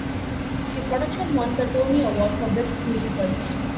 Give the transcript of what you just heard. The production won the Tony Award for Best Musical.